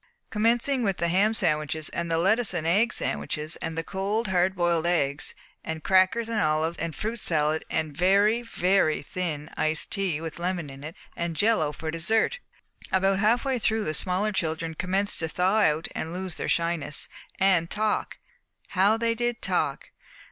Commencing with the ham sandwiches and the lettuce and egg sandwiches, and the cold hard boiled eggs, and crackers and olives, and fruit salad, and very, very thin iced tea with lemon in it, and jello for dessert! About half way through the smaller children commenced to thaw out and lose their shyness, and talk. How they did talk!